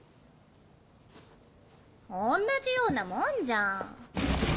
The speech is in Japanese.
同じようなもんじゃん。